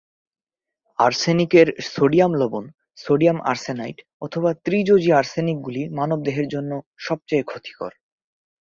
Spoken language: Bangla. আর্সেনিকের সোডিয়াম লবণ, সোডিয়াম আর্সেনাইট অথবা ত্রিযোজী আর্সেনিকগুলি মানবদেহের জন্য সবচেয়ে ক্ষতিকর।